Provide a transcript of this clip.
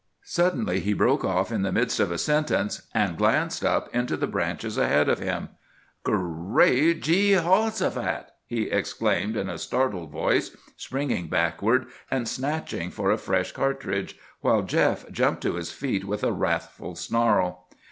Suddenly he broke off in the midst of a sentence, and glanced up into the branches ahead of him. "'Great Jee hoshaphat!' he exclaimed in a startled voice, springing backward, and snatching for a fresh cartridge, while Jeff jumped to his feet with a wrathful snarl.